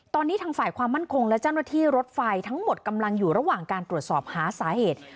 ตอนนี้ทางฝ่ายความมั่นคงและเจ้าหน้าที่รถไฟทั้งหมดกำลังอยู่ระหว่างการตรวจสอบหาสาเหตุ